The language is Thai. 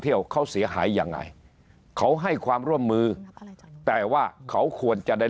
เที่ยวเขาเสียหายยังไงเขาให้ความร่วมมือแต่ว่าเขาควรจะได้